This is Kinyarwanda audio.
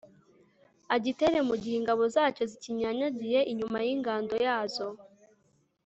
agitere mu gihe ingabo zacyo zikinyanyagiye inyuma y'ingando yazo